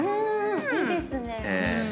いいですね。